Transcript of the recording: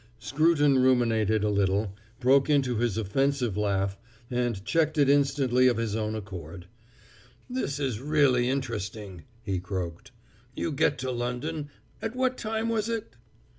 Scruton ruminated a little, broke into his offensive laugh, and checked it instantly of his own accord. "This is really interesting," he croaked. "You get to London at what time was it?"